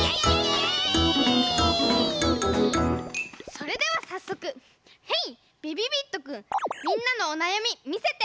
それではさっそくヘイびびびっとくんみんなのおなやみみせて！